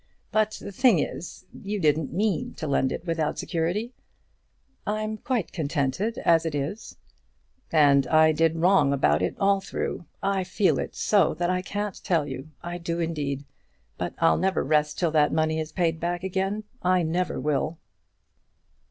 But the thing is, you didn't mean to lend it without security." "I'm quite contented as it is." "And I did wrong about it all through; I feel it so that I can't tell you. I do, indeed. But I'll never rest till that money is paid back again. I never will."